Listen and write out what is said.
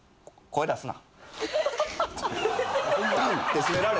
声出すな。